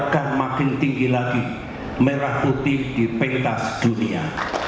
dan makin tinggi lagi merah putih di pentas dunia